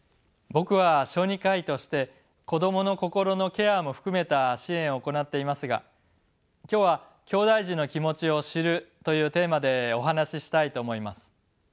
僕は小児科医として子どもの心のケアも含めた支援を行っていますが今日はきょうだい児の気持ちを知るというテーマでお話ししたいと思います。